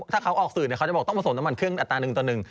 ถ้าเขาออกสื่อเนี่ยเขาจะบอกต้องผสมน้ำมันเครื่องอัตราหนึ่งต่อหนึ่ง